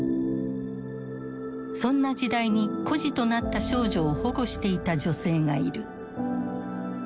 そんな時代に孤児となった少女を保護していた女性がいる。